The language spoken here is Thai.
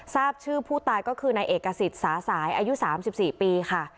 ทราบชื่อผู้ตายก็คือนายเอกสิทธิ์สาสายอายุ๓๔ปีค่ะ